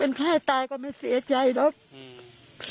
เป็นแพร่ตายก็ไม่เสียใจเนอะ